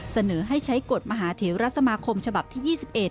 เสนอให้ใช้กฎมหาเทราสมาคมฉบับที่๒๑